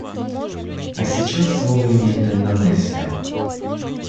А сейчас слово имеет Индонезия.